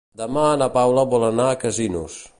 Demà na Paula vol anar a Casinos.